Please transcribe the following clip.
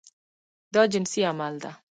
دا جنسي عمل ده.